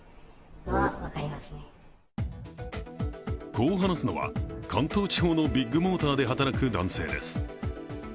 こう話すのは関東地方のビッグモーターで働く男性です。